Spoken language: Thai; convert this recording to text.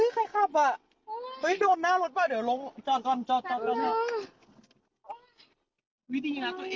ก็พบดี